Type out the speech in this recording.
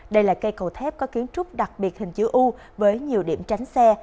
đây là cây cầu thép có kiến trúc đặc biệt hình chữ u với nhiều điểm tránh xe